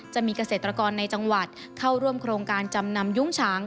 จะมีเกษตรกรในจังหวัดเข้าร่วมโครงการจำนำยุ้งฉาง